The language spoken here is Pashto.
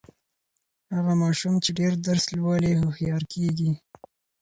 هغه ماشوم چې ډېر درس لولي، هوښیار کیږي.